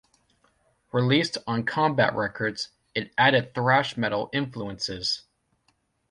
Released on Combat Records, it added thrash metal influences.